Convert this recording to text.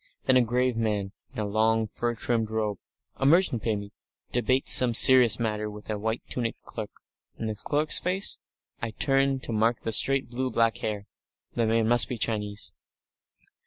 Then a grave man in a long, fur trimmed robe, a merchant, maybe, debates some serious matter with a white tunicked clerk. And the clerk's face ? I turn to mark the straight, blue black hair. The man must be Chinese....